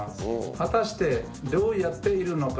果たして、どうやっているのか？